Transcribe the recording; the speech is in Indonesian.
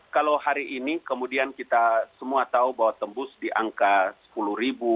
kalau hari ini kemudian kita semua tahu bahwa tembus di angka sepuluh ribu